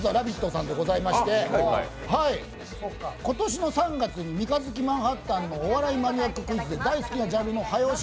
さんでございまして、今年の３月に三日月マンハッタンの「お笑いマニアッククイズ」で大好きなジャンルの早押し